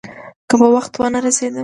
که په وخت ونه رسېدم.